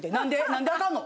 何であかんの？